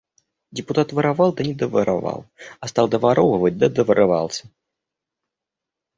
Депутат воровал, да не доворовал, а стал доворовывать, да доворовался.